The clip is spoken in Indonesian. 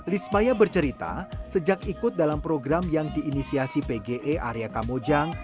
rismaya bercerita sejak ikut dalam program yang diinisiasi pge area kamojang